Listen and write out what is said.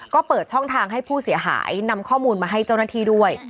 ก็เปิดช่องทางให้ผู้เสียหายนำข้อมูลมาให้เจ้าหน้าที่ด้วย